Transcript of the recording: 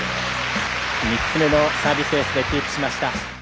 ３つ目のサービスエースでキープしました。